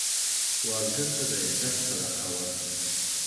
سوالګر ته د عزت صدقه ورکړه